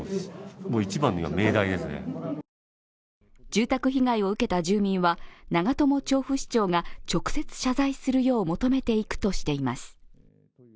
住宅被害を受けた住民は長友調布市長が直接謝罪するよう求めていくとしています。